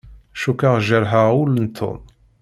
Cukkeɣ jerḥeɣ ul n Tom.